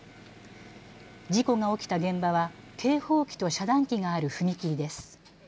事故が起きた現場は警報機と遮断機がある踏切です。